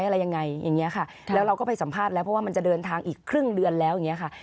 แล้วเราก็ไปสัมภาษณ์แล้วเพราะว่ามันจะเดินทางอีกครึ่งเดือนแล้วอย่างนี้ค่ะ